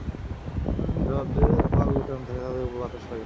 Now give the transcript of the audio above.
যাহাদের পাল গুটানো থাকে, তাহাদের উপর বাতাস লাগে না।